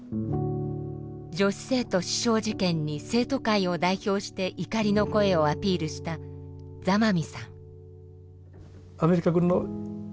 女子生徒刺傷事件に生徒会を代表して怒りの声をアピールした授業